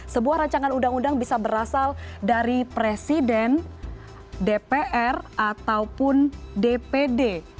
sebuah rancangan undang undang bisa berasal dari presiden dpr ataupun dpd